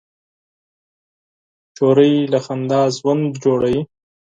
نجلۍ له خندا ژوند جوړوي.